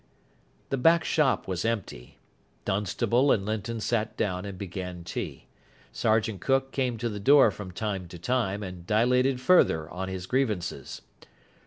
The back shop was empty. Dunstable and Linton sat down and began tea. Sergeant Cook came to the door from time to time and dilated further on his grievances.